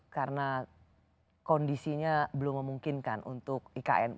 karena kondisinya belum memungkinkan untuk ikn